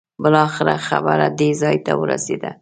بالاخره خبره دې ځای ورسېده.